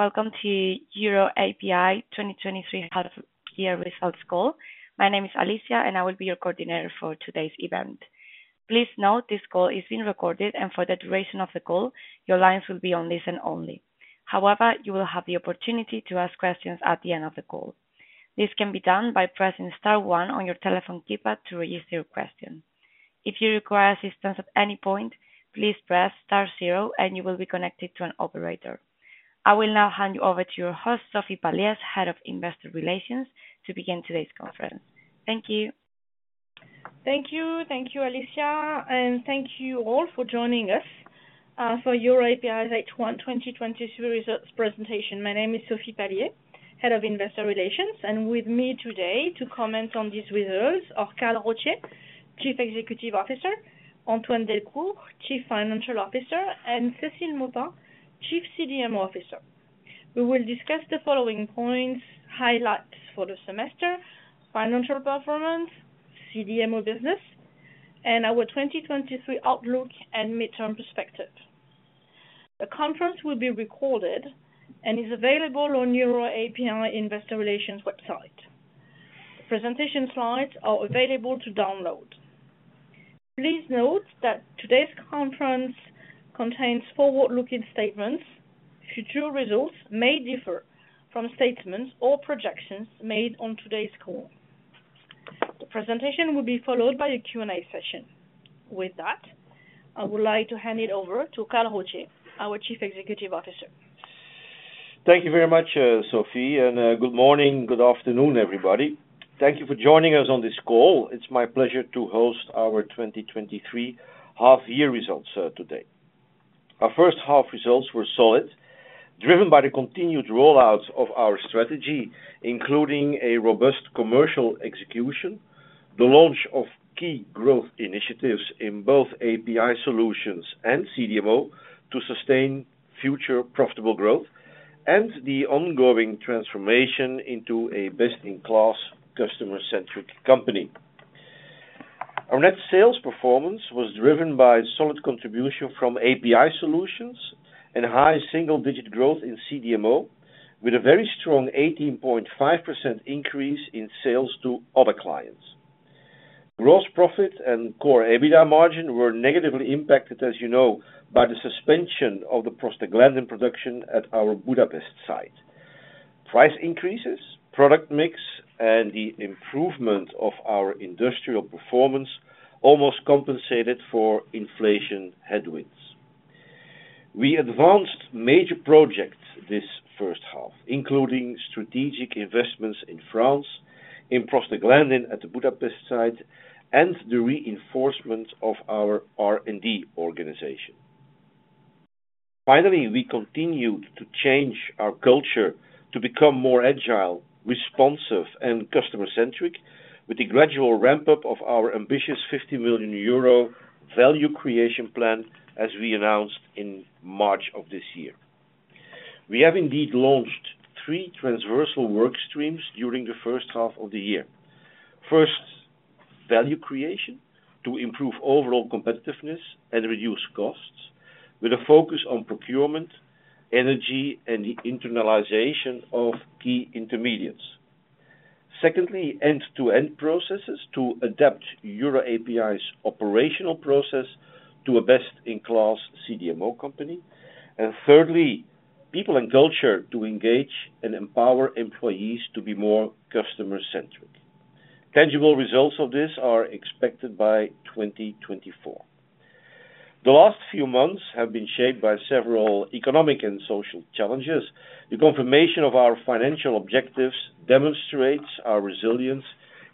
Hello, and welcome to EUROAPI 2023 half year results call. My name is Alicia, and I will be your coordinator for today's event. Please note, this call is being recorded, and for the duration of the call, your lines will be on listen only. However, you will have the opportunity to ask questions at the end of the call. This can be done by pressing star one on your telephone keypad to register your question. If you require assistance at any point, please press star zero, and you will be connected to an operator. I will now hand you over to your host, Sophie Palliez, Head of Investor Relations, to begin today's conference. Thank you. Thank you. Thank you, Alicia, and thank you all for joining us for EUROAPI's H1 2023 results presentation. My name is Sophie Palliez, Head of Investor Relations, and with me today to comment on these results are Karl Rotthier, Chief Executive Officer, Antoine Delcour, Chief Financial Officer, and Cécile Maupas, Chief CDMO Officer. We will discuss the following points: highlights for the semester, financial performance, CDMO business, and our 2023 outlook and midterm perspective. The conference will be recorded and is available on EUROAPI Investor Relations website. Presentation slides are available to download. Please note that today's conference contains forward-looking statements. Future results may differ from statements or projections made on today's call. The presentation will be followed by a Q&A session. With that, I would like to hand it over to Karl Rotthier, our Chief Executive Officer. Thank you very much, Sophie, good morning, good afternoon, everybody. Thank you for joining us on this call. It's my pleasure to host our 2023 half year results today. Our first half results were solid, driven by the continued rollouts of our strategy, including a robust commercial execution, the launch of key growth initiatives in both API Solutions and CDMO to sustain future profitable growth, and the ongoing transformation into a best-in-class customer-centric company. Our net sales performance was driven by solid contribution from API Solutions and high single-digit growth in CDMO, with a very strong 18.5% increase in sales to other clients. Gross profit and core EBITDA margin were negatively impacted, as you know, by the suspension of the prostaglandin production at our Budapest site. Price increases, product mix, and the improvement of our industrial performance almost compensated for inflation headwinds. We advanced major projects this first half, including strategic investments in France, in prostaglandin at the Budapest site, and the reinforcement of our R&D organization. We continued to change our culture to become more agile, responsive, and customer-centric with the gradual ramp-up of our ambitious 50 million euro value creation plan, as we announced in March of this year. We have indeed launched three transversal work streams during the first half of the year. First, value creation to improve overall competitiveness and reduce costs, with a focus on procurement, energy, and the internalization of key intermediates. Secondly, end-to-end processes to adapt EUROAPI's operational process to a best-in-class CDMO company. Thirdly, people and culture to engage and empower employees to be more customer-centric. Tangible results of this are expected by 2024. The last few months have been shaped by several economic and social challenges. The confirmation of our financial objectives demonstrates our resilience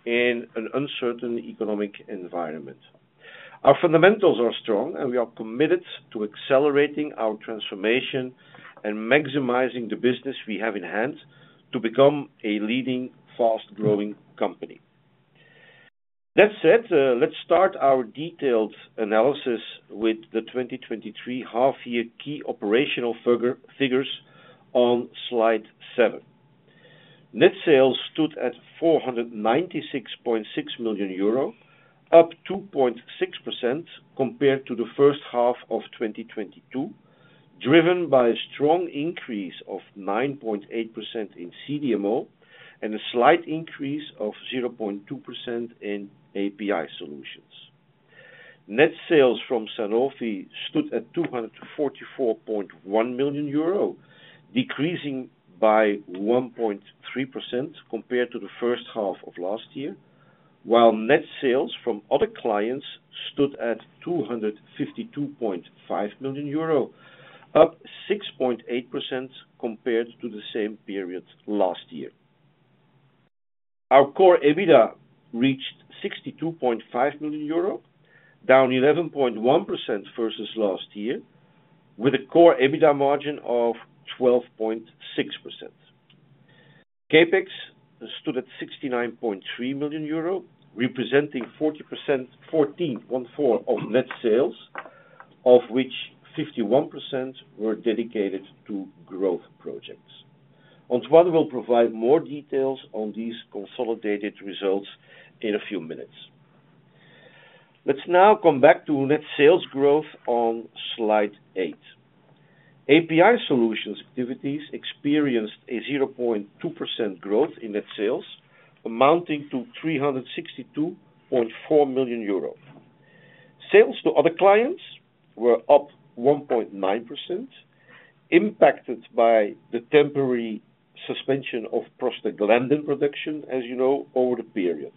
in an uncertain economic environment. Our fundamentals are strong, and we are committed to accelerating our transformation and maximizing the business we have in hand to become a leading, fast-growing company. That said, let's start our detailed analysis with the 2023 half year key operational figures on slide seven. Net sales stood at 496.6 million euro, up 2.6% compared to the first half of 2022, driven by a strong increase of 9.8% in CDMO and a slight increase of 0.2% in API Solutions. Net sales from Sanofi stood at 244.1 million euro, decreasing by 1.3% compared to the first half of last year, while net sales from other clients stood at 252.5 million euro, up 6.8% compared to the same period last year. Our core EBITDA reached 62.5 million euro, down 11.1% versus last year, with a core EBITDA margin of 12.6%. CapEx stood at 69.3 million euro, representing 40%, 14, one-fourth of net sales, of which 51% were dedicated to growth projects. Antoine will provide more details on these consolidated results in a few minutes. Let's now come back to net sales growth on slide eight. API Solutions activities experienced a 0.2% growth in net sales, amounting to 362.4 million euros. Sales to other clients were up 1.9%, impacted by the temporary suspension of prostaglandin production, as you know, over the period.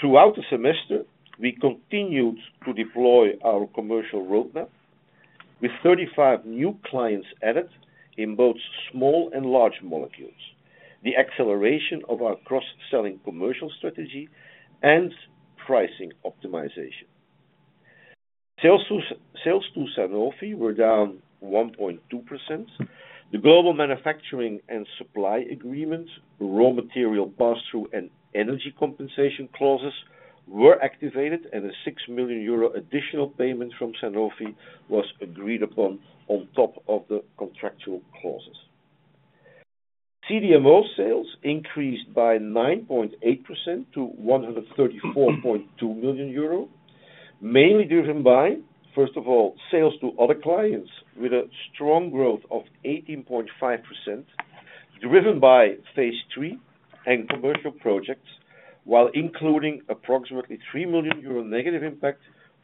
Throughout the semester, we continued to deploy our commercial roadmap, with 35 new clients added in both small and large molecules. The acceleration of our cross-selling commercial strategy and pricing optimization. Sales to Sanofi were down 1.2%. The Global Manufacturing and Supply agreement, raw material pass-through, and energy compensation clauses were activated, and a 6 million euro additional payment from Sanofi was agreed upon on top of the contractual clauses. CDMO sales increased by 9.8% to 134.2 million euro, mainly driven by, first of all, sales to other clients, with a strong growth of 18.5%, driven by phase III and commercial projects, while including approximately 3 million euro negative impact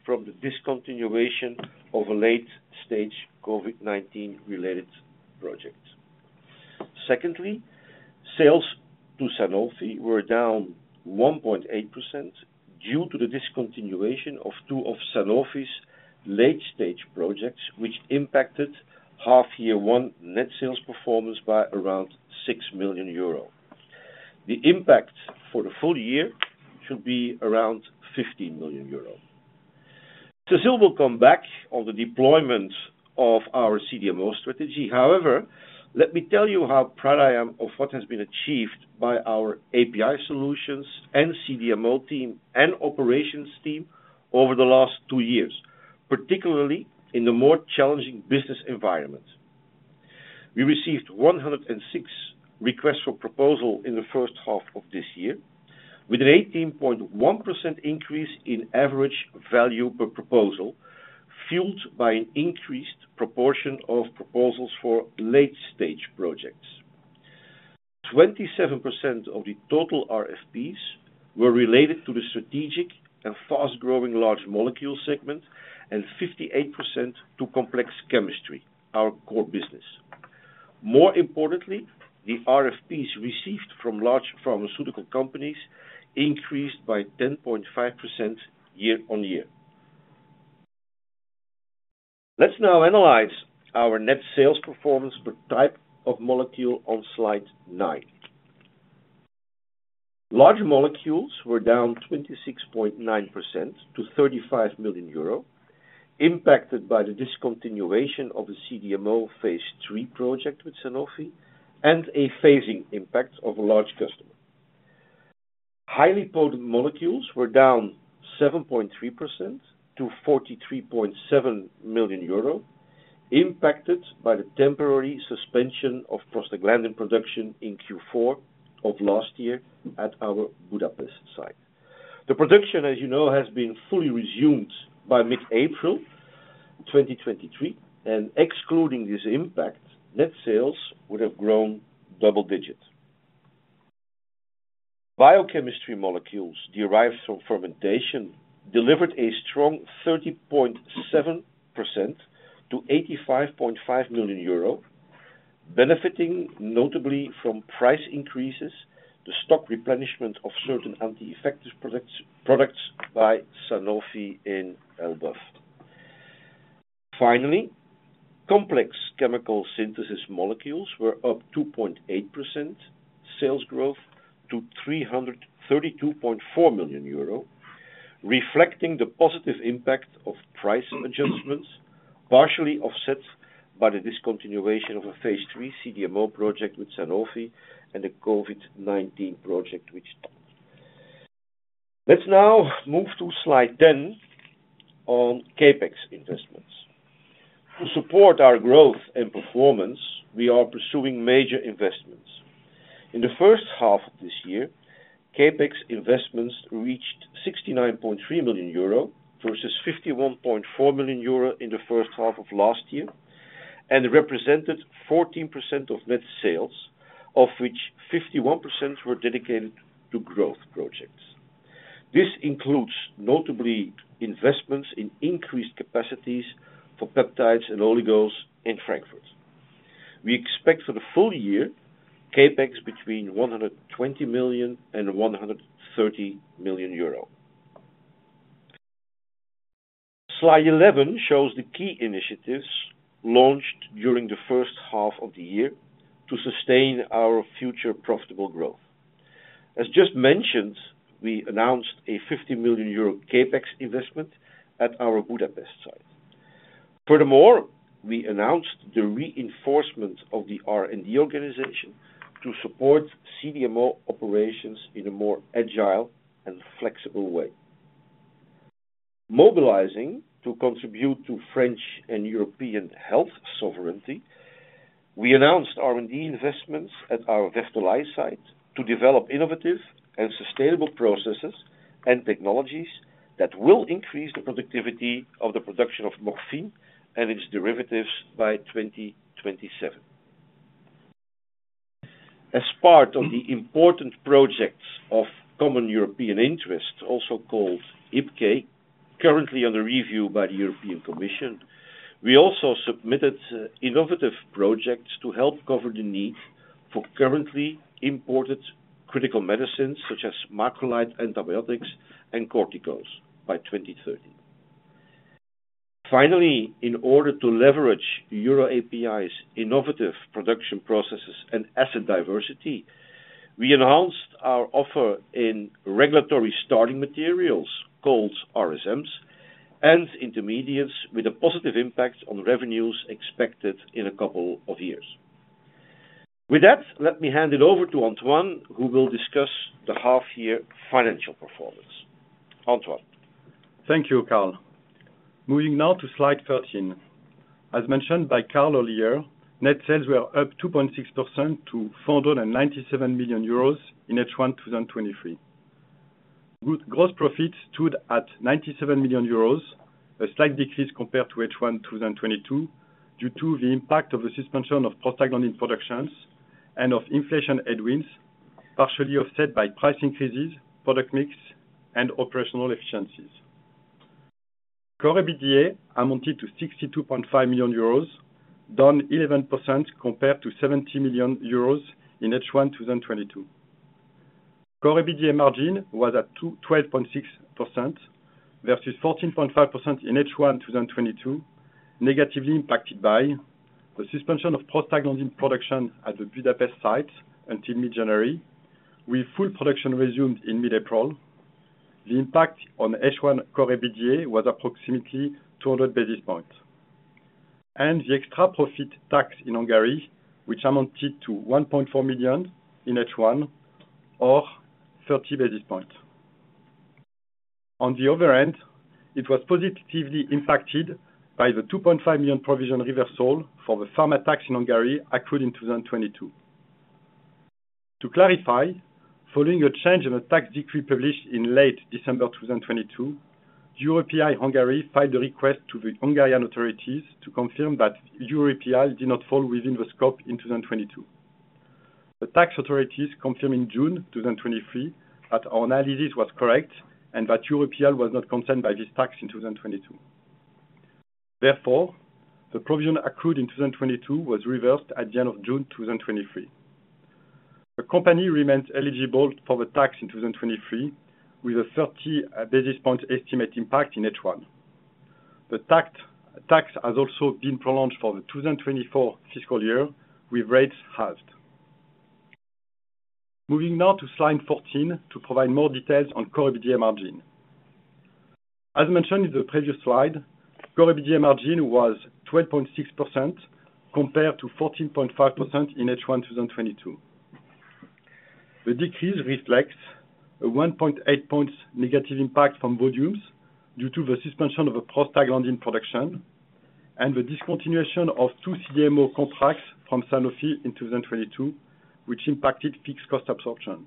from the discontinuation of a late-stage COVID-19 related project. Secondly, sales to Sanofi were down 1.8% due to the discontinuation of two of Sanofi's late-stage projects, which impacted half year one net sales performance by around 6 million euro. The impact for the full-year should be around 15 million euro. Cécile will come back on the deployment of our CDMO strategy. However, let me tell you how proud I am of what has been achieved by our API Solutions and CDMO team and operations team over the last two years, particularly in the more challenging business environment. We received 106 requests for proposal in the first half of this year, with an 18.1% increase in average value per proposal, fueled by an increased proportion of proposals for late-stage projects. 27% of the total RFPs were related to the strategic and fast-growing large molecule segment, and 58% to complex chemistry, our core business. More importantly, the RFPs received from large pharmaceutical companies increased by 10.5% year-on-year. Let's now analyze our net sales performance per type of molecule on slide nine. Large molecules were down 26.9% to 35 million euro, impacted by the discontinuation of the CDMO phase III project with Sanofi and a phasing impact of a large customer. Highly potent molecules were down 7.3% to 43.7 million euro, impacted by the temporary suspension of prostaglandin production in Q4 of last year at our Budapest site. The production, as you know, has been fully resumed by mid-April 2023, excluding this impact, net sales would have grown double digits. Biochemistry molecules derived from fermentation delivered a strong 30.7% to 85.5 million euro, benefiting notably from price increases, the stock replenishment of certain anti-infective products, products by Sanofi in Elbeuf. Finally, complex chemical synthesis molecules were up 2.8%, sales growth to 332.4 million euro, reflecting the positive impact of price adjustments, partially offset by the discontinuation of a phase III CDMO project with Sanofi and a COVID-19 project, which... Let's now move to slide 10 on CapEx investments. To support our growth and performance, we are pursuing major investments. In the first half of this year, CapEx investments reached 69.3 million euro, versus 51.4 million euro in the first half of last year, and represented 14% of net sales, of which 51% were dedicated to growth projects. This includes, notably, investments in increased capacities for peptides and oligos in Frankfurt. We expect for the full-year, CapEx between 120 million and 130 million euro. Slide 11 shows the key initiatives launched during the first half of the year to sustain our future profitable growth. As just mentioned, we announced a 50 million euro CapEx investment at our Budapest site. Furthermore, we announced the reinforcement of the R&D organization to support CDMO operations in a more agile and flexible way. Mobilizing to contribute to French and European health sovereignty.... We announced R&D investments at our Vertolaye site to develop innovative and sustainable processes and technologies that will increase the productivity of the production of morphine and its derivatives by 2027. As part of the important projects of common European interest, also called IPCEI, currently under review by the European Commission, we also submitted innovative projects to help cover the need for currently imported critical medicines such as macrolide, antibiotics, and corticosteroids by 2030. Finally, in order to leverage EUROAPI's innovative production processes and asset diversity, we enhanced our offer in regulatory starting materials, called RSMs, and intermediates with a positive impact on revenues expected in a couple of years. With that, let me hand it over to Antoine, who will discuss the half-year financial performance. Antoine? Thank you, Karl. Moving now to slide 13. As mentioned by Karl earlier, net sales were up 2.6% to 497 million euros in H1 2023. Good gross profit stood at 97 million euros, a slight decrease compared to H1 2022, due to the impact of the suspension of prostaglandin productions and of inflation headwinds, partially offset by price increases, product mix, and operational efficiencies. Core EBITDA amounted to 62.5 million euros, down 11% compared to 70 million euros in H1 2022. Core EBITDA margin was at 12.6%, versus 14.5% in H1 2022, negatively impacted by the suspension of prostaglandin production at the Budapest site until mid-January, with full production resumed in mid-April. The impact on H1 core EBITDA was approximately 200 basis points, and the extra-profit tax in Hungary, which amounted to 1.4 million in H1, or 30 basis points. On the other end, it was positively impacted by the 2.5 million provision reversal for the pharma tax in Hungary, accrued in 2022. To clarify, following a change in the tax decree published in late December 2022, EUROAPI Hungary filed a request to the Hungarian authorities to confirm that EUROAPI did not fall within the scope in 2022. The tax authorities confirmed in June 2023, that our analysis was correct and that EUROAPI was not concerned by this tax in 2022. The provision accrued in 2022 was reversed at the end of June 2023. The company remains eligible for the tax in 2023, with a 30 basis point estimate impact in H1. The tax has also been prolonged for the fiscal year 2024, with rates halved. Moving now to slide 14 to provide more details on core EBITDA margin. As mentioned in the previous slide, core EBITDA margin was 12.6% compared to 14.5% in H1 2022. The decrease reflects a 1.8 points negative impact from volumes due to the suspension of a prostaglandin production and the discontinuation of two CMO contracts from Sanofi in 2022, which impacted fixed cost absorption.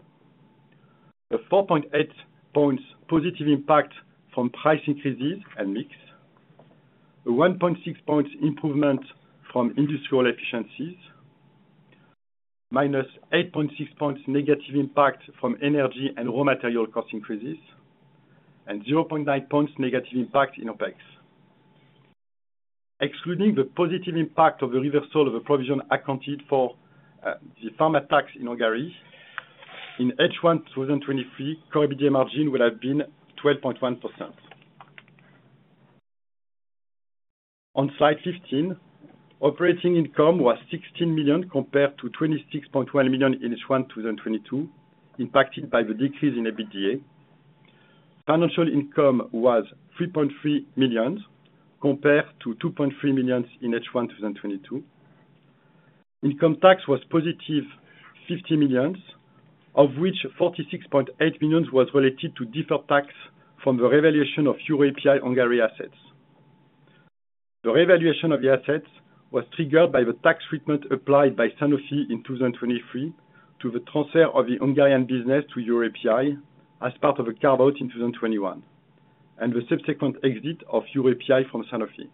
The 4.8 points positive impact from price increases and mix, a 1.6 points improvement from industrial efficiencies, minus 8.6 points negative impact from energy and raw material cost increases, and 0.9 points negative impact in OpEx. Excluding the positive impact of the reversal of the provision accounted for, the pharma tax in Hungary, in H1, 2023, core EBITDA margin would have been 12.1%. On slide 15, operating income was 16 million, compared to 26.1 million in H1, 2022, impacted by the decrease in EBITDA. Financial income was 3.3 million, compared to 2.3 million in H1, 2022. Income tax was positive 50 million, of which 46.8 million was related to deferred tax from the revaluation of EUROAPI Hungary assets. The revaluation of the assets was triggered by the tax treatment applied by Sanofi in 2023 to the transfer of the Hungarian business to EUROAPI as part of a carve-out in 2021, and the subsequent exit of EUROAPI from Sanofi.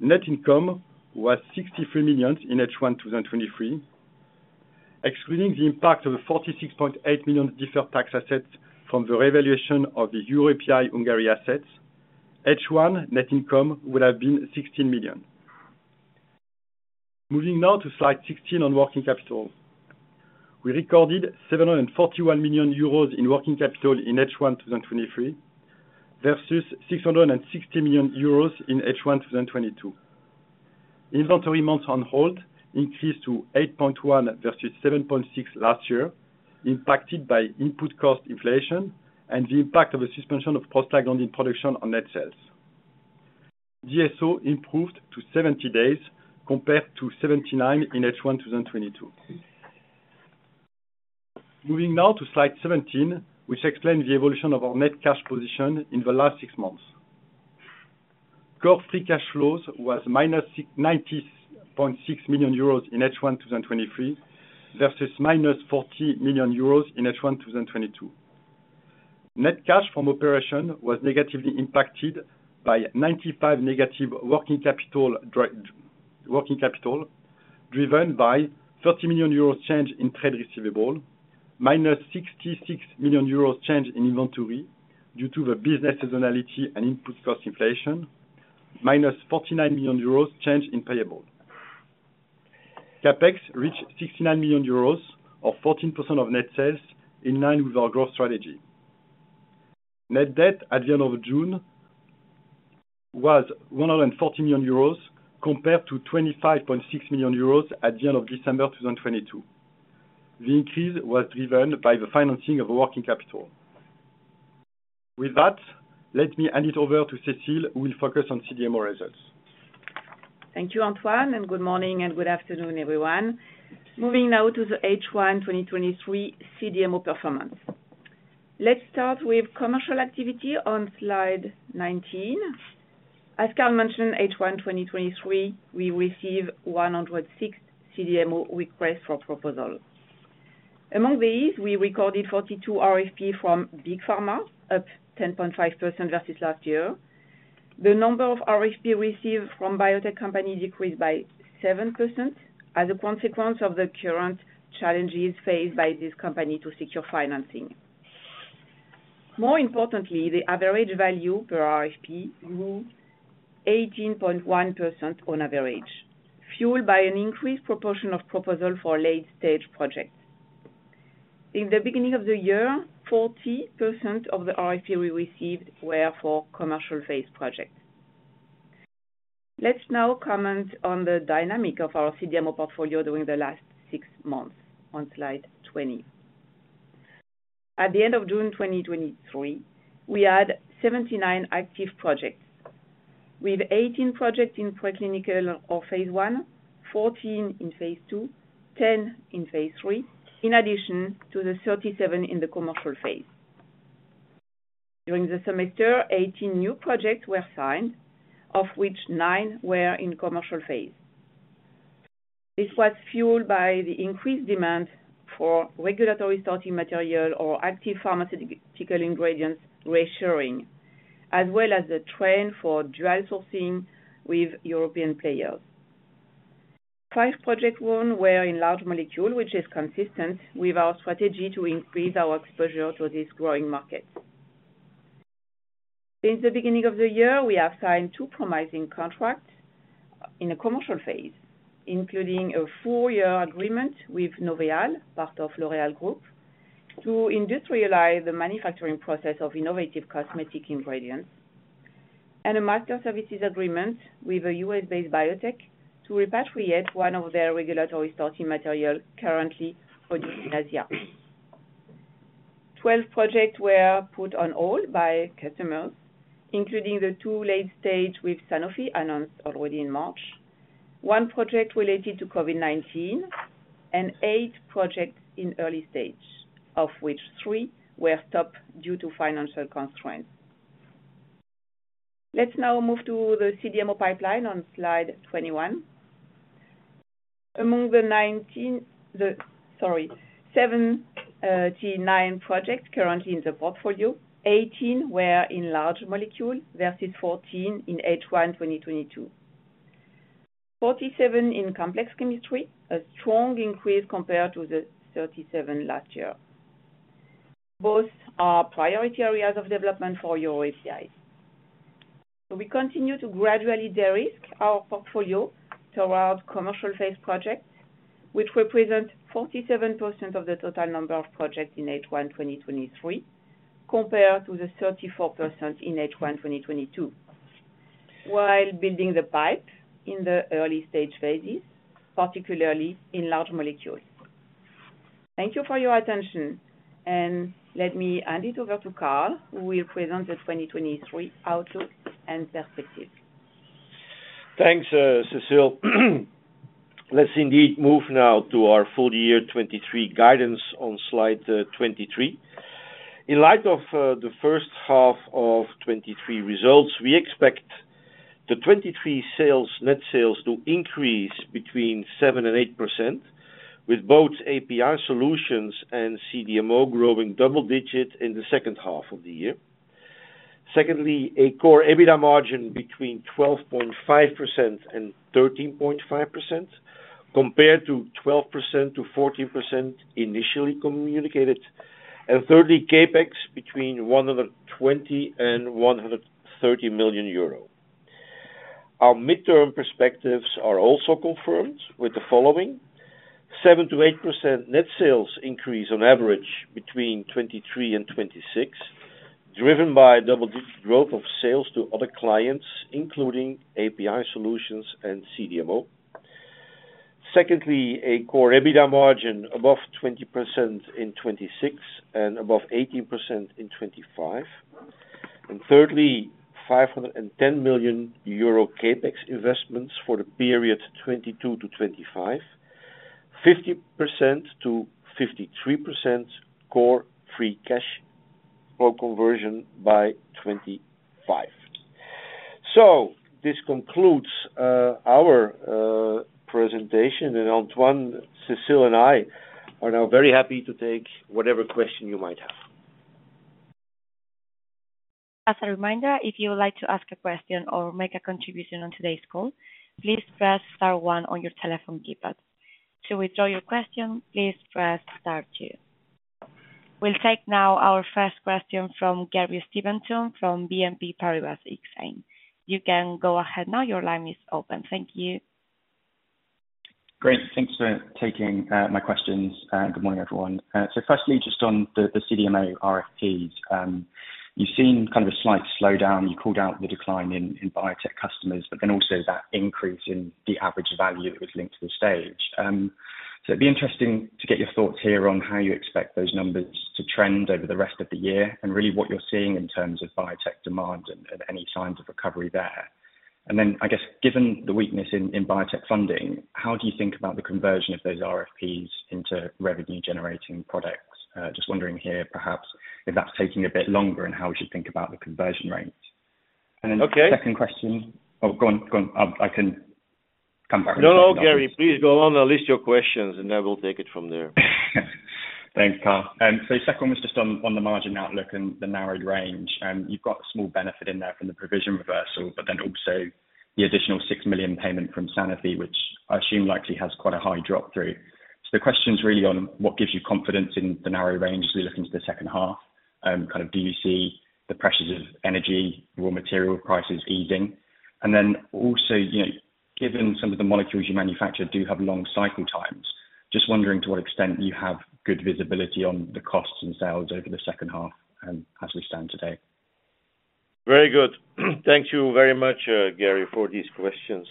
Net income was 63 million in H1 2023. Excluding the impact of the 46.8 million deferred tax assets from the revaluation of the EUROAPI Hungary assets, H1 net income would have been 16 million. Moving now to slide 16 on working capital. We recorded 741 million euros in working capital in H1 2023, versus 660 million euros in H1 2022. Inventory months on hold increased to 8.1 versus 7.6 last year, impacted by input cost inflation and the impact of a suspension of prostaglandin production on net sales. DSO improved to 70 days, compared to 79 in H1, 2022. Moving now to slide 17, which explains the evolution of our net cash position in the last six months. Core free cash flows was minus 90.6 million euros in H1, 2023, versus minus 40 million euros in H1, 2022. Net cash from operation was negatively impacted by 95 negative working capital, driven by 30 million euros change in trade receivable, minus 66 million euros change in inventory due to the business seasonality and input cost inflation, minus 49 million euros change in payable. CapEx reached 69 million euros, or 14% of net sales, in line with our growth strategy. Net debt at the end of June was 140 million euros, compared to 25.6 million euros at the end of December 2022. The increase was driven by the financing of working capital. With that, let me hand it over to Cécile, who will focus on CDMO results. Thank you, Antoine, and good morning and good afternoon, everyone. Moving now to the H1 2023 CDMO performance. Let's start with commercial activity on slide 19. As Karl mentioned, H1 2023, we received 106 CDMO requests for proposal. Among these, we recorded 42 RFP from Big Pharma, up 10.5% versus last year. The number of RFP received from biotech companies decreased by 7% as a consequence of the current challenges faced by this company to secure financing. More importantly, the average value per RFP grew 18.1% on average, fueled by an increased proportion of proposal for late-stage projects. In the beginning of the year, 40% of the RFP we received were for commercial phase projects. Let's now comment on the dynamic of our CDMO portfolio during the last six months, on slide 20. At the end of June 2023, we had 79 active projects, with 18 projects in preclinical or phase I, 14 in phase II, 10 in phase III, in addition to the 37 in the commercial phase. During the semester, 18 new projects were signed, of which nine were in commercial phase. This was fueled by the increased demand for Regulatory Starting Material or active pharmaceutical ingredients reshoring, as well as the trend for drug sourcing with European players. Five project won were in large molecule, which is consistent with our strategy to increase our exposure to this growing market. Since the beginning of the year, we have signed two promising contracts in the commercial phase, including a four-year agreement with Novéal, part of L'Oréal Group, to industrialize the manufacturing process of innovative cosmetic ingredients, and a Master Services Agreement with a U.S.-based biotech to repatriate one of their Regulatory Starting Materials currently produced in Asia. 12 projects were put on hold by customers, including the two late stage with Sanofi, announced already in March, one project related to COVID-19, and eight projects in early stage, of which three were stopped due to financial constraints. Let's now move to the CDMO pipeline on slide 21. Among the 19, 79 projects currently in the portfolio, 18 were in large molecule versus 14 in H1 2022. 47 in complex chemistry, a strong increase compared to the 37 last year. Both are priority areas of development for EUROAPI. We continue to gradually de-risk our portfolio towards commercial phase projects, which represent 47% of the total number of projects in H1 2023, compared to the 34% in H1 2022, while building the pipe in the early stage phases, particularly in large molecules. Thank you for your attention, and let me hand it over to Karl, who will present the 2023 outlook and perspective. Thanks, Cécile. Let's indeed move now to our full-year 2023 guidance on slide 23. In light of the first half of 2023 results, we expect the 2023 sales, net sales to increase between 7%-8%, with both API Solutions and CDMO growing double digits in the second half of the year. Secondly, a core EBITDA margin between 12.5%-13.5%, compared to 12%-14% initially communicated. Thirdly, CapEx between 120 million-130 million euro. Our midterm perspectives are also confirmed with the following: 7%-8% net sales increase on average between 2023 and 2026, driven by double-digit growth of sales to other clients, including API Solutions and CDMO. Secondly, a core EBITDA margin above 20% in 2026 and above 18% in 2025. Thirdly, 510 million euro CapEx investments for the period 2022-2025. 50%-53% core free cash flow conversion by 2025. This concludes our presentation, and Antoine, Cécile, and I are now very happy to take whatever question you might have. As a reminder, if you would like to ask a question or make a contribution on today's call, please press star one on your telephone keypad. To withdraw your question, please press star two. We'll take now our first question from Gary Steventon from BNP Paribas Exane. You can go ahead now. Your line is open. Thank you. Great. Thanks for taking my questions. Good morning, everyone. Firstly, just on the CDMO RFPs, you've seen kind of a slight slowdown. You called out the decline in biotech customers, but then also that increase in the average value that was linked to the stage. It'd be interesting to get your thoughts here on how you expect those numbers to trend over the rest of the year, and really, what you're seeing in terms of biotech demand and any signs of recovery there? Then, I guess, given the weakness in biotech funding, how do you think about the conversion of those RFPs into revenue-generating products? Just wondering here, perhaps if that's taking a bit longer, and how we should think about the conversion rates? Okay. The second question- Oh, go on, go on. I can come back. No, no, Gary, please go on and list your questions, and I will take it from there. Thanks, Karl. The second one was just on, on the margin outlook and the narrowed range. You've got a small benefit in there from the provision reversal, but then also the additional 6 million payment from Sanofi, which I assume likely has quite a high drop through. The question's really on what gives you confidence in the narrow range as we look into the second half, kind of do you see the pressures of energy, raw material prices easing? Then also, you know, given some of the molecules you manufacture do have long cycle times, just wondering to what extent you have good visibility on the costs and sales over the second half, as we stand today. Very good. Thank you very much, Gary, for these questions.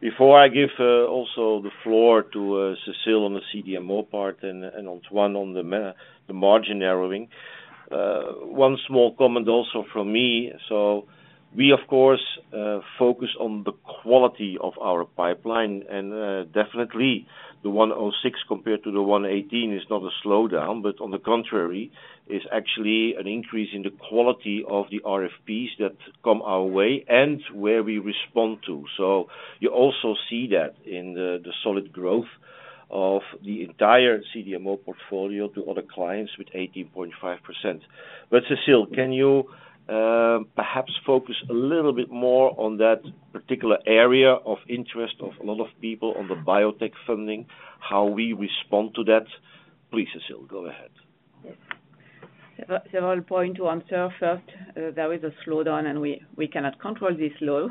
Before I give also the floor to Cécile on the CDMO part and Antoine on the margin narrowing, one small comment also from me. We, of course, focus on the quality of our pipeline, and definitely, the 106 compared to the 118 is not a slowdown, but on the contrary, is actually an increase in the quality of the RFPs that come our way and where we respond to. You also see that in the solid growth of the entire CDMO portfolio to other clients with 18.5%. Cécile, can you perhaps focus a little bit more on that particular area of interest of a lot of people on the biotech funding, how we respond to that? Please, Cécile, go ahead. Yes. Several point to answer. First, there is a slowdown, we, we cannot control this slow.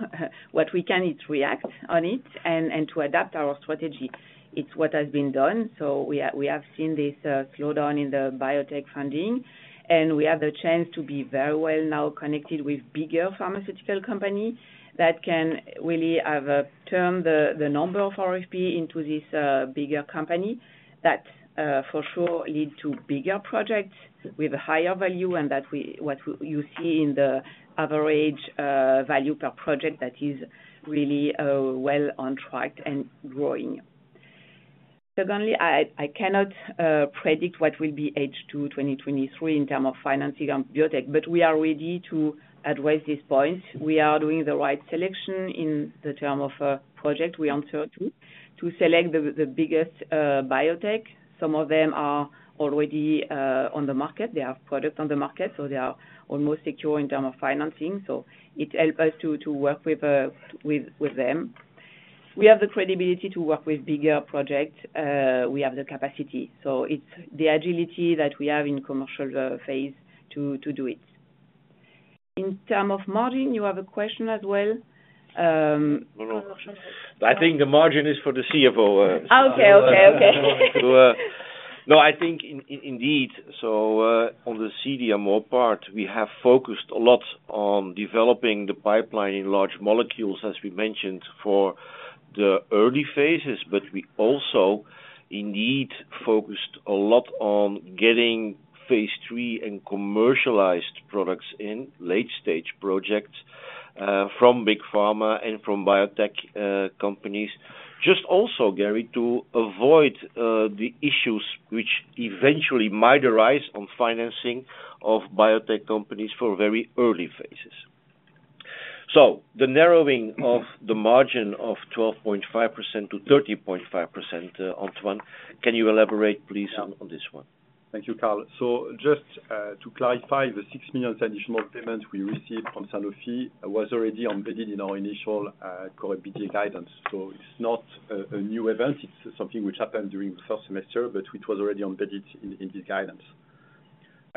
What we can is react on it and to adapt our strategy. It's what has been done. We have seen this slowdown in the biotech funding, and we have the chance to be very well now connected with bigger pharmaceutical companies that can really have turn the, the number of RFP into this bigger company. That, for sure, lead to bigger projects with a higher value and that we, you see in the average value per project that is really well on track and growing. Secondly, I, I cannot predict what will be H2 2023 in term of financing on biotech, but we are ready to address this point. We are doing the right selection in the term of a project we answer to, to select the biggest biotech. Some of them are already on the market. They have products on the market, so they are almost secure in term of financing, so it help us to work with them. We have the credibility to work with bigger project, we have the capacity, so it's the agility that we have in commercial phase to do it. In term of margin, you have a question as well. No, no. Commercial. I think the margin is for the CFO. Okay, okay, okay. No, I think in, in, indeed, on the CDMO part, we have focused a lot on developing the pipeline in large molecules, as we mentioned, for the early phases, but we also indeed focused a lot on getting Phase III and commercialized products in late stage projects from Big Pharma and from biotech companies. Just also, Gary, to avoid the issues which eventually might arise on financing of biotech companies for very early phases. The narrowing of the margin of 12.5%-30.5%, Antoine, can you elaborate, please, on, on this one? Thank you, Karl. Just to clarify, the 6 million additional payment we received from Sanofi was already embedded in our initial COVID guidance. It's not a new event, it's something which happened during the first semester, but which was already embedded in the guidance.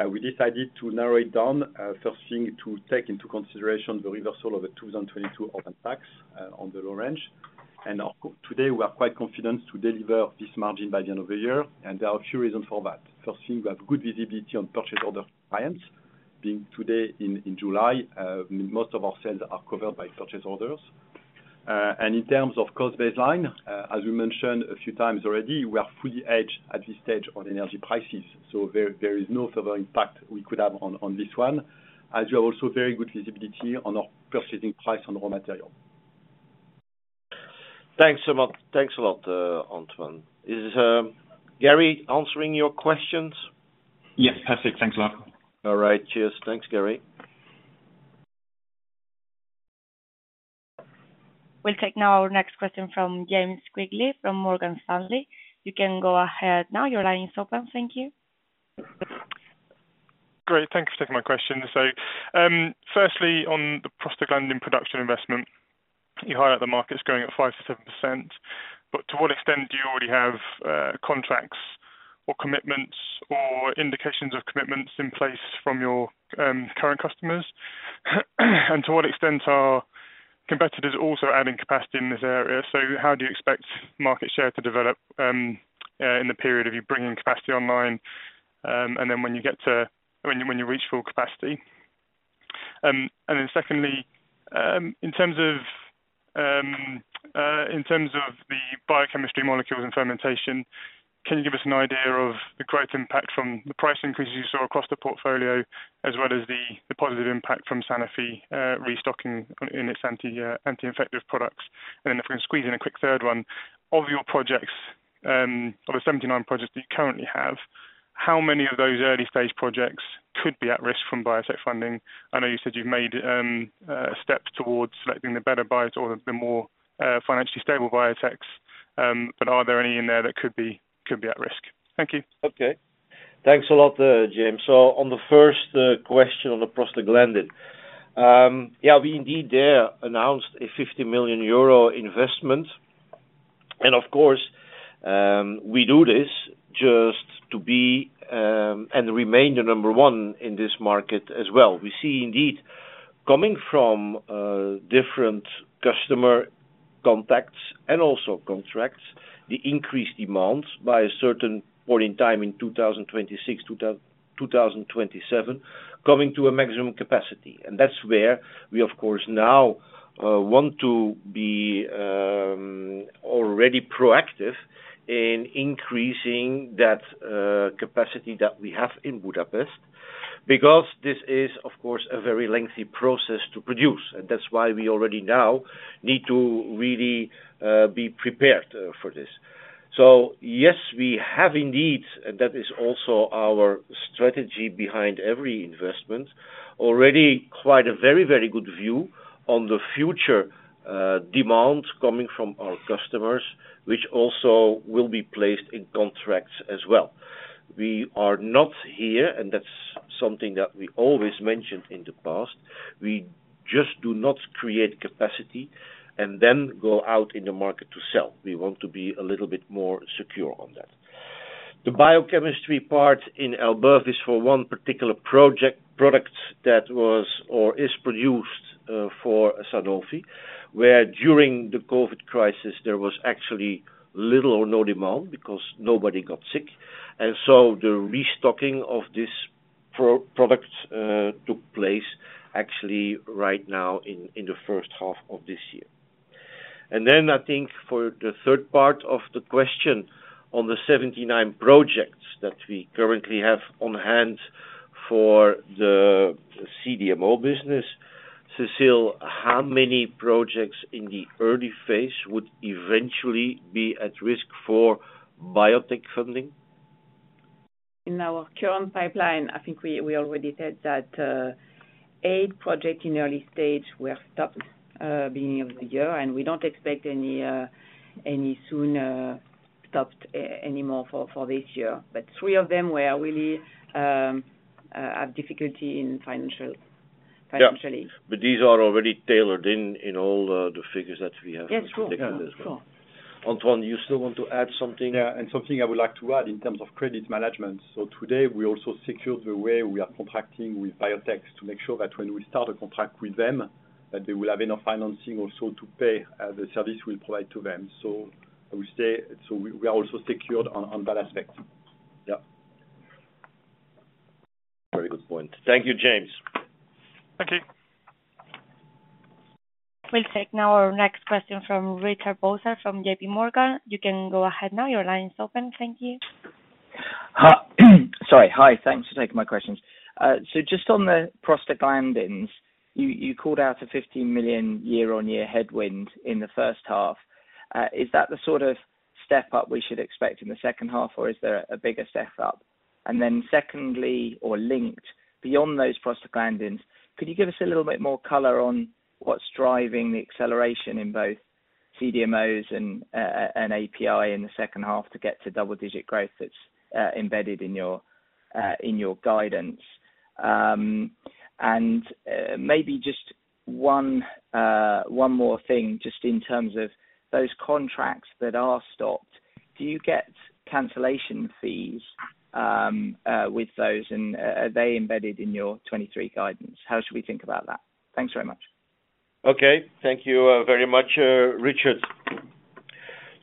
We decided to narrow it down, first thing to take into consideration the reversal of the 2022 open tax on the low range. Today, we are quite confident to deliver this margin by the end of the year, and there are a few reasons for that. First thing, we have good visibility on purchase order clients. Being today in, in July, most of our sales are covered by purchase orders. In terms of cost baseline, as we mentioned a few times already, we are fully hedged at this stage on energy prices, so there is no further impact we could have on this one, as we have also very good visibility on our purchasing price on raw material. Thanks so much. Thanks a lot, Antoine. Gary, are your questions answered? Yes, perfect. Thanks a lot. All right, cheers. Thanks, Gary. We'll take now our next question from James Quigley, from Morgan Stanley. You can go ahead now. Your line is open. Thank you. Great, thanks for taking my question. Firstly, on the prostaglandin production investment, you highlight the market is growing at 5%-7%, but to what extent do you already have contracts or commitments or indications of commitments in place from your current customers? To what extent are competitors also adding capacity in this area? How do you expect market share to develop in the period of you bringing capacity online, and then when you, when you reach full capacity? Secondly, in terms of the biochemistry, molecules and fermentation, can you give us an idea of the growth impact from the price increases you saw across the portfolio, as well as the, the positive impact from Sanofi restocking on, in its anti-infective products? If I can squeeze in a quick 3rd one: Of your projects, of the 79 projects that you currently have, how many of those early-stage projects could be at risk from biotech funding? I know you said you've made steps towards selecting the better biotechs or the more financially stable biotechs, but are there any in there that could be, could be at risk? Thank you. Okay. Thanks a lot, James. On the first question on the prostaglandin. Yeah, we indeed there announced a 50 million euro investment, and of course, we do this just to be and remain the number one in this market as well. We see indeed, coming from different customer contacts and also contracts, the increased demand by a certain point in time in 2026-2027, coming to a maximum capacity. That's where we, of course, now want to be already proactive in increasing that capacity that we have in Budapest, because this is, of course, a very lengthy process to produce, and that's why we already now need to really be prepared for this. Yes, we have indeed, and that is also our strategy behind every investment, already quite a very, very good view on the future demand coming from our customers, which also will be placed in contracts as well. We are not here, and that's something that we always mentioned in the past, we just do not create capacity and then go out in the market to sell. We want to be a little bit more secure on that. The biochemistry part in Aalborg is for one particular project, product that was or is produced for Sanofi, where during the COVID crisis, there was actually little or no demand because nobody got sick. The restocking of this product took place actually right now in the first half of this year. I think for the third part of the question on the 79 projects that we currently have on hand for the CDMO business, Cécile, how many projects in the early phase would eventually be at risk for biotech funding? In our current pipeline, I think we, we already said that, eight projects in early stage were stopped, beginning of the year, and we don't expect any, any soon, stopped any more for, for this year. Three of them were really, have difficulty in financial- Yeah. Financially. These are already tailored in, in all, the figures that we have. Yes, sure. Antoine, you still want to add something? Yeah, something I would like to add in terms of credit management. Today, we also secured the way we are contracting with biotechs to make sure that when we start a contract with them, that they will have enough financing also to pay the service we provide to them. We are also secured on that aspect. Yeah. Very good point. Thank you, James. Thank you. We'll take now our next question from Richard Vosser, from JPMorgan. You can go ahead now. Your line is open. Thank you. Sorry. Hi, thanks for taking my questions. Just on the prostaglandins, you, you called out a 50 million year-on-year headwind in the first half. Is that the sort of step-up we should expect in the second half, or is there a bigger step-up? Secondly, or linked, beyond those prostaglandins, could you give us a little bit more color on what's driving the acceleration in both CDMOs and API in the second half to get to double-digit growth that's embedded in your guidance? Maybe just one, one more thing, just in terms of those contracts that are stopped, do you get cancellation fees with those, and are they embedded in your 2023 guidance? How should we think about that? Thanks very much. Okay. Thank you, very much, Richard.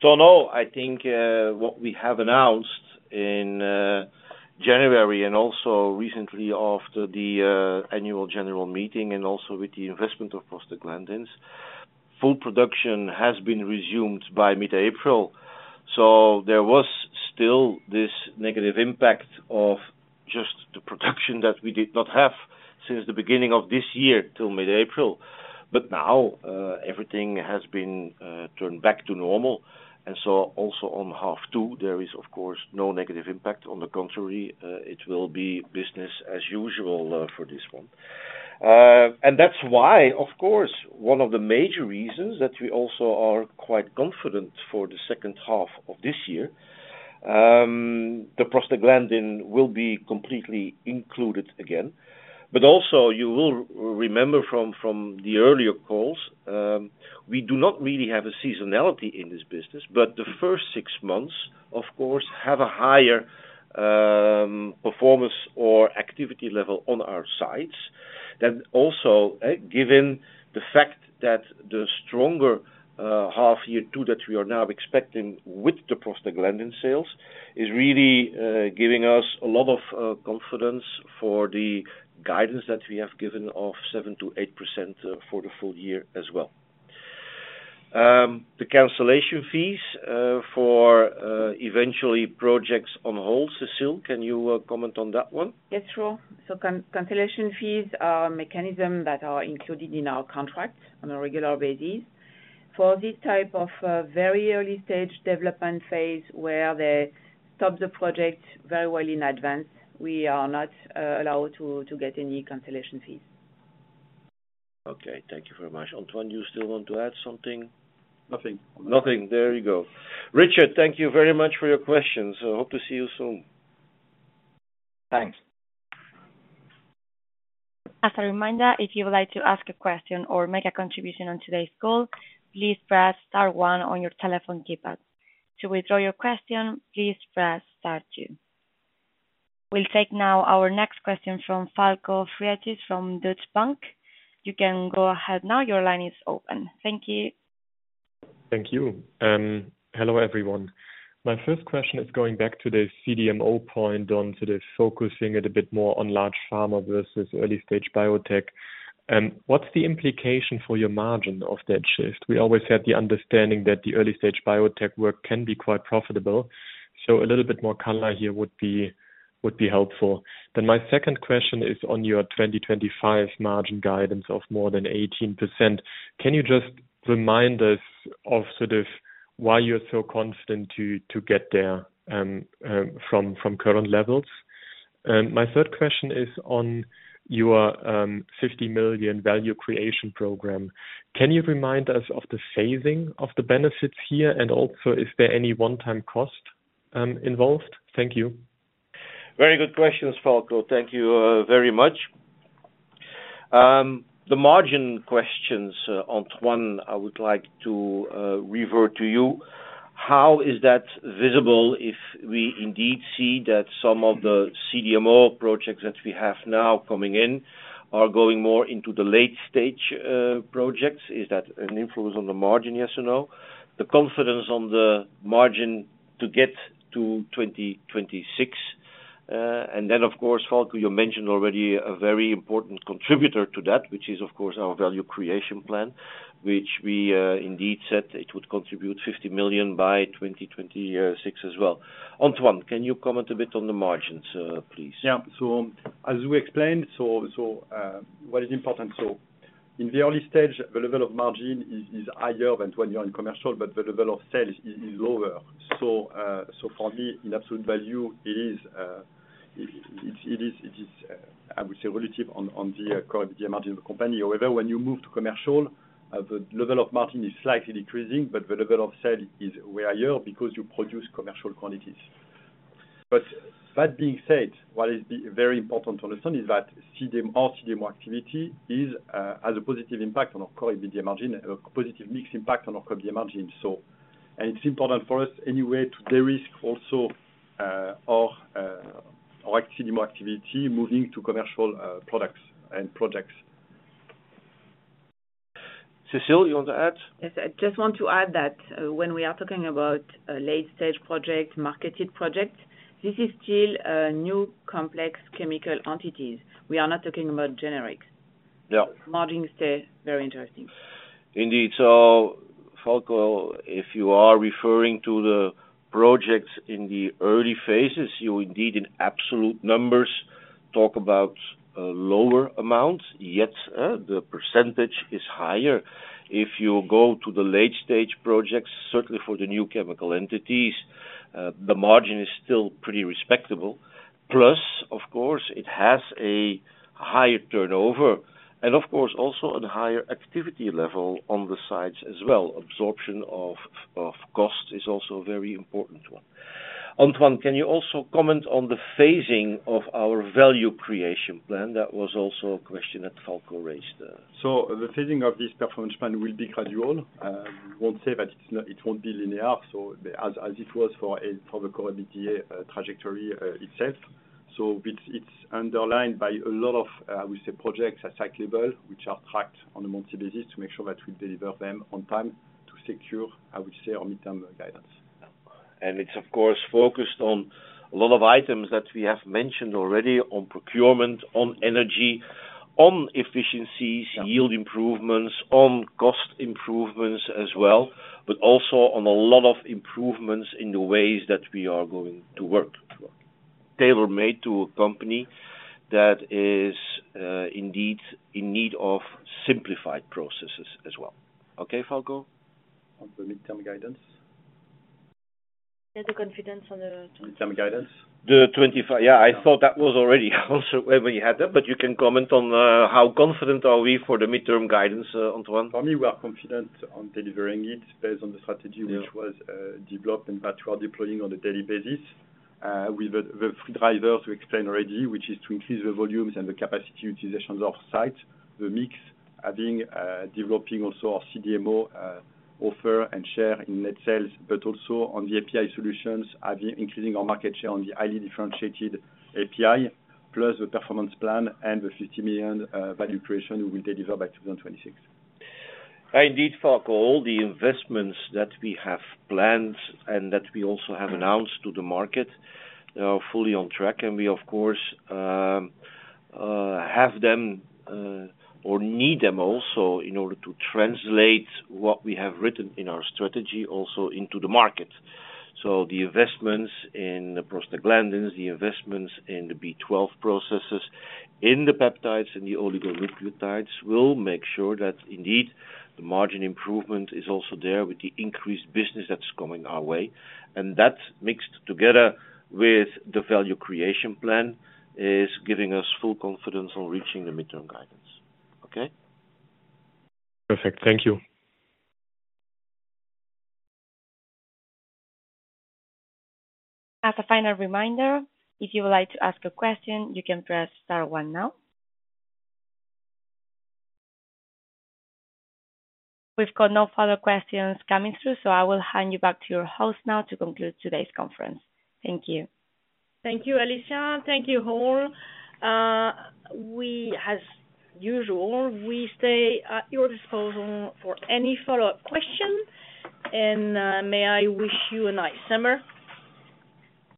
No, I think what we have announced in January and also recently after the annual general meeting and also with the investment of prostaglandins, full production has been resumed by mid-April. There was still this negative impact of just the production that we did not have since the beginning of this year till mid-April. Now, everything has been turned back to normal. Also on half two, there is, of course, no negative impact. On the contrary, it will be business as usual for this one. That's why, of course, one of the major reasons that we also are quite confident for the second half of this year. The prostaglandin will be completely included again, but also you will remember from, from the earlier calls, we do not really have a seasonality in this business, but the first six months, of course, have a higher performance or activity level on our sites. Given the fact that the stronger half year two that we are now expecting with the prostaglandin sales is really giving us a lot of confidence for the guidance that we have given of 7%-8% for the full-year as well. The cancellation fees for eventually projects on hold, Cécile, can you comment on that one? Yes, sure. cancellation fees are mechanism that are included in our contract on a regular basis. For this type of, very early stage development phase, where they stop the project very well in advance, we are not, allowed to, to get any cancellation fees. Okay, thank you very much. Antoine, you still want to add something? Nothing. Nothing. There you go. Richard, thank you very much for your questions. I hope to see you soon. Thanks. As a reminder, if you would like to ask a question or make a contribution on today's call, please press star one on your telephone keypad. To withdraw your question, please press star two. We'll take now our next question from Falko Friedrichs from Deutsche Bank. You can go ahead now. Your line is open. Thank you. Thank you. Hello, everyone. My first question is going back to the CDMO point on, sort of, focusing it a bit more on large pharma versus early-stage biotech. What's the implication for your margin of that shift? We always had the understanding that the early-stage biotech work can be quite profitable, so a little bit more color here would be, would be helpful. My second question is on your 2025 margin guidance of more than 18%. Can you just remind us of, sort of, why you're so confident to, to get there from current levels? My third question is on your 50 million value creation program. Can you remind us of the phasing of the benefits here, and also is there any one-time cost involved? Thank you. Very good questions, Falko. Thank you very much. The margin questions, Antoine, I would like to revert to you. How is that visible if we indeed see that some of the CDMO projects that we have now coming in are going more into the late stage projects? Is that an influence on the margin, yes or no? The confidence on the margin to get to 2026, and then, of course, Falko, you mentioned already a very important contributor to that, which is, of course, our value creation plan, which we indeed said it would contribute 50 million by 2026 as well. Antoine, can you comment a bit on the margins, please? Yeah. As we explained, what is important, in the early stage, the level of margin is higher than when you're in commercial, but the level of sales is lower. For me, in absolute value, it is, it is, it is, I would say, relative on the current margin of the company. However, when you move to commercial, the level of margin is slightly decreasing, but the level of sale is way higher because you produce commercial quantities. That being said, what is very important to understand is that CDMO, CDMO activity is, has a positive impact on our core EBITDA margin, a positive mixed impact on our core EBITDA margin. It's important for us anyway, to de-risk also, our CDMO activity, moving to commercial products and projects. Cécile, you want to add? Yes, I just want to add that, when we are talking about a late-stage project, marketed project, this is still a new complex chemical entities. We are not talking about generics. Yeah. Margin is still very interesting. Indeed. Falko, if you are referring to the projects in the early phases, you indeed, in absolute numbers, talk about lower amounts, yet, the percentage is higher. If you go to the late stage projects, certainly for the new chemical entities, the margin is still pretty respectable. Plus, of course, it has a higher turnover and of course, also a higher activity level on the sides as well. Absorption of, of cost is also a very important one. Antoine, can you also comment on the phasing of our value creation plan? That was also a question that Falko raised. The phasing of this performance plan will be gradual. We won't say that it's not, it won't be linear, as it was for the current media trajectory itself. It's, it's underlined by a lot of, we say, projects at site level, which are tracked on a monthly basis to make sure that we deliver them on time to secure, I would say, our midterm guidance. It's of course, focused on a lot of items that we have mentioned already on procurement, on energy, on efficiencies. Yeah. -yield improvements, on cost improvements as well, but also on a lot of improvements in the ways that we are going to work. Tailor-made to a company that is indeed in need of simplified processes as well. Okay, Falko? On the midterm guidance. Yeah, the confidence on the- Midterm guidance. Yeah, I thought that was already also when you had that, but you can comment on how confident are we for the midterm guidance, Antoine? For me, we are confident on delivering it based on the strategy- Yeah. which was developed and that we are deploying on a daily basis. With the drivers we explained already, which is to increase the volumes and the capacity utilizations of site. The mix, having developing also our CDMO offer and share in net sales, but also on the API Solutions, are increasing our market share on the highly differentiated API, plus the performance plan and the 50 million value creation we will deliver by 2026. Indeed, Falko, all the investments that we have planned and that we also have announced to the market are fully on track, and we, of course, have them, or need them also in order to translate what we have written in our strategy also into the market. The investments in the prostaglandins, the investments in the B12 processes, in the peptides, and the oligopeptides, will make sure that indeed, the margin improvement is also there with the increased business that's coming our way. That's mixed together with the value creation plan, is giving us full confidence on reaching the midterm guidance. Okay? Perfect. Thank you. As a final reminder, if you would like to ask a question, you can press star one now. We've got no further questions coming through, I will hand you back to your host now to conclude today's conference. Thank you. Thank you, Alicia. Thank you, all. We as usual, we stay at your disposal for any follow-up question. May I wish you a nice summer.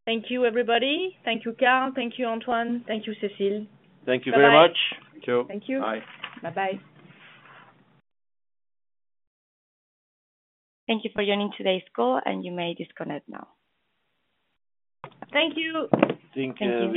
Thank you, everybody. Thank you, Karl. Thank you, Antoine. Thank you, Cécile. Thank you very much. Bye-bye. Thank you. Bye. Bye-bye. Thank you for joining today's call, and you may disconnect now. Thank you! Thank you. Thank you.